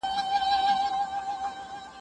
که موږ یو ځای سو نو څوک مو نه سي ماتولی.